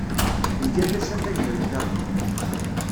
Iga-d asafag n lkaɣeḍ.